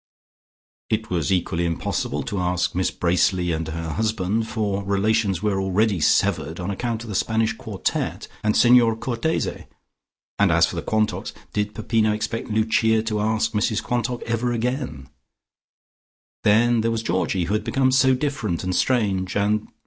It was equally impossible to ask Miss Bracely and her husband, for relations were already severed on account of the Spanish quartette and Signer Cortese, and as for the Quantocks, did Peppino expect Lucia to ask Mrs Quantock again ever? Then there was Georgie, who had become so different and strange, and